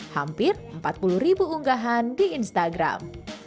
hampir empat puluh ribu unggahan di instagram